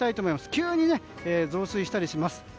急に増水したりします。